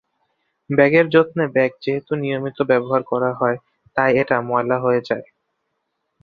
ব্যাগের যত্নে ব্যাগ যেহেতু নিয়মিত ব্যবহার করা হয়, তাই এটা ময়লা হয়ে যায়।